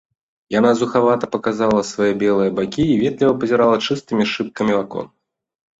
Яна зухавата паказвала свае белыя бакі і ветліва пазірала чыстымі шыбкамі акон.